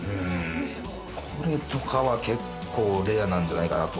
これとか結構レアなんじゃないかなと。